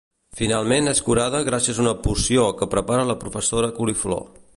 Finalment és curada gràcies a una poció que prepara la Professora Coliflor.